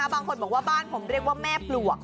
บางคนบอกว่าบ้านผมเรียกว่าแม่ปลวก